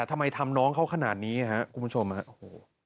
ทำไมทำน้องเขาขนาดนี้ครับคุณผู้ชมฮะโอ้โห